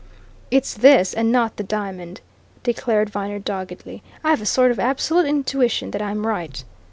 "It's this and not the diamond!" declared Viner doggedly. "I've a sort of absolute intuition that I'm right."